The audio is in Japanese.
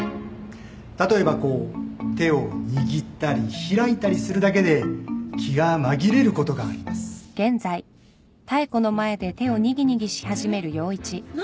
例えばこう手を握ったり開いたりするだけで気が紛れることがありますえっ？